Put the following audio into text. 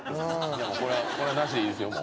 「これはなしでいいですよ。